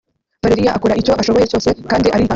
Valeria akora icyo ashoboye cyose kandi aritanga